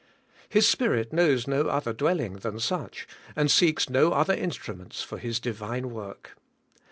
His Spirit knows no other dwelling than such, and seeks no other instru ments for His Divine work.